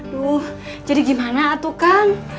mas jadi gimana atu kan